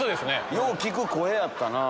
よう聞く声やったな。